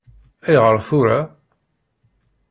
Ayɣer tura?